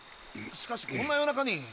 しかしこんな夜中に。